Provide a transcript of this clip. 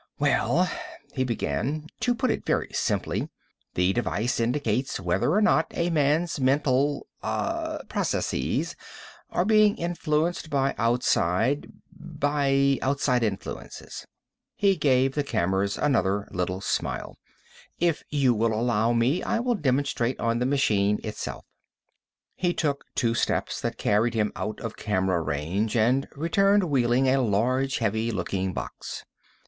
"Well," he began, "to put it very simply, the device indicates whether or not a man's mental ... ah ... processes are being influenced by outside ... by outside influences." He gave the cameras another little smile. "If you will allow me, I will demonstrate on the machine itself." He took two steps that carried him out of camera range, and returned wheeling a large heavy looking box.